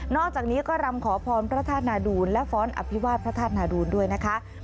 นอกจากนี้ก็รำขอพรพระทาสนาดูลและฝรภ์อภิวาสพระนาดูลด้วยนะคะ